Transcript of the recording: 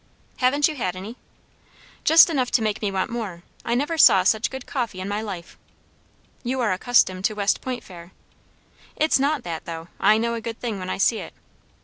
"Haven't you had any?" "Just enough to make me want more. I never saw such good coffee in my life." "You are accustomed to West Point fare." "It's not that, though. I know a good thing when I see it."